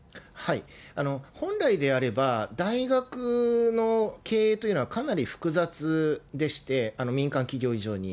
本来であれば、大学の経営というのはかなり複雑でして、民間企業以上に。